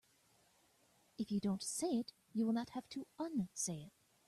If you don't say it you will not have to unsay it.